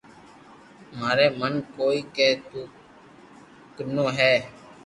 ماري من ڪوئي ڪي تو ڪنو ھي